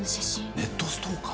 ネットストーカー？